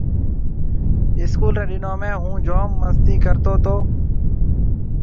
اسڪول ريَ ڏنون ۾ هُون جوم مستِي ڪرتو تو۔